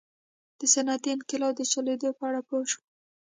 د صنعتي انقلاب د شالید په اړه پوه شو.